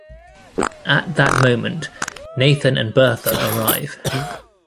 At that moment, Nathan and Bertha arrive.